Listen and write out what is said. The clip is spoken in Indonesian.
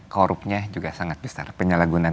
korupnya juga sangat besar penyalahgunaan